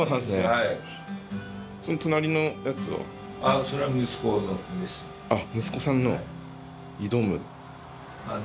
はいあっ息子さんの挑む